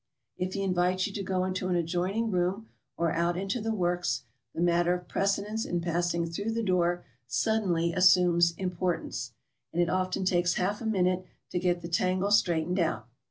If he invites you to go into an adjoining room, or out into the works, the matter of precedence in passing through the door sudden ly assumes importance, and it often takes half a minute to get the tangle straightened out.